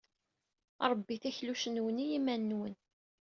Ṛebbit akluc-nwen i yiman-nwen.